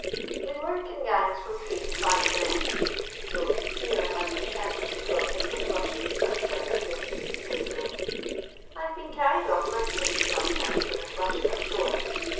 We work in gangs from three to five men." [Hat I had an account of the proceaa of flashing, sock as I have given.] " I 'to been carried oflTmy feci sometimes in the flash of a shore.